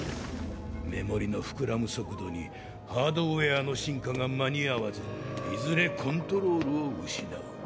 メモリの膨らむ速度にハードウェアの進化が間に合わずいずれコントロールを失う。